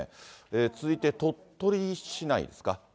続いて鳥取市内ですか。